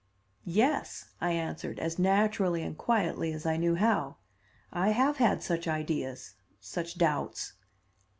"Yes," I answered, as naturally and quietly as I knew how; "I have had such ideas such doubts."